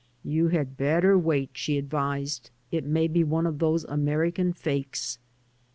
"You had better wait," she advised; "it may be one of those American fakes."